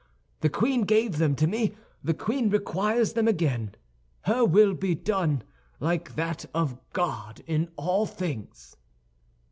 The queen gave them to me, the queen requires them again. Her will be done, like that of God, in all things."